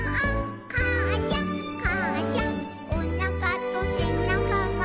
「かあちゃんかあちゃん」「おなかとせなかが」